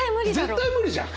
絶対無理じゃん。